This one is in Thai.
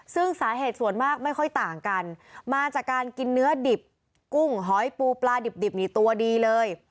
ซึ่งสาเหตุส่วนมากไม่ค่อยต่างกันมาจากการกินเนื้อดิบกุ้งหอยปูปลาดิบนี่ตัวดีเลย